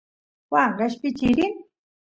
waa qeshpichiy rin